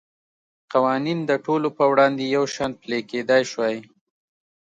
قوانین د ټولو په وړاندې یو شان پلی کېدای شوای.